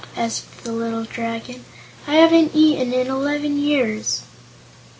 asked the little Dragon. "I haven't eaten anything in eleven years."